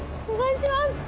お願いします！